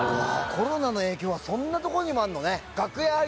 コロナの影響はそんなとこにもあんのね。